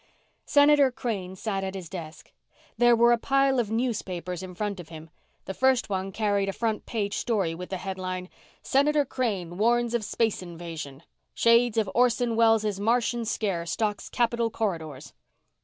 Senator Crane sat at his desk. There were a pile of newspapers in front of him. The first one carried a front page story with the headline: SENATOR CRANE WARNS OF SPACE INVASION SHADES OF ORSON WELLS' MARTIAN SCARE STALKS CAPITOL CORRIDORS.